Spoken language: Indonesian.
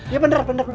ya benar benar benar